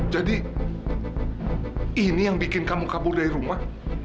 jadi ini yang bikin kamu kabur dari rumah